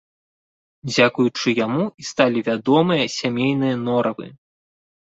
Дзякуючы яму і сталі вядомыя сямейныя норавы.